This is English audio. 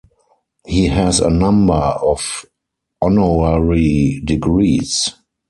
He has a number of honorary degrees.